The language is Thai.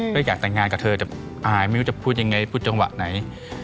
ก็อยากแต่งงานกับเธอแต่อายไม่รู้จะพูดยังไงพูดจังหวะไหน